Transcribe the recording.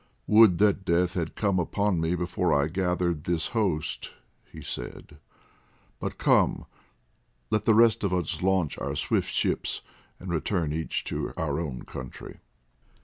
"Would that death had come upon me before I gathered this host," he said, "but come, let the rest of us launch our swift ships, and return each to our own country."